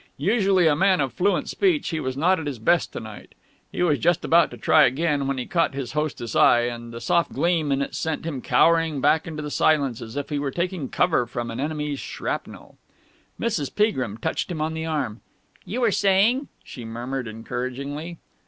Usually a man of fluent speech, he was not at his best to night. He was just about to try again, when he caught his hostess' eye, and the soft gleam in it sent him cowering back into the silence as if he were taking cover from an enemy's shrapnel. Mrs. Peagrim touched him on the arm. "You were saying...?" she murmured encouragingly.